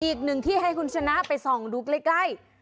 อีกหนึ่งที่ให้คุณชนะไปส่องดูใกล้